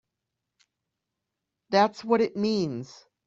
That's what it means!